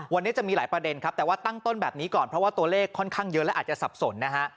วันนี้จะมีหลายประเด็นครับแต่ว่าตั้งต้นแบบนี้ก่อนเพราะว่าตัวเลขค่อนข้างเยอะและอาจจะสับสนนะฮะ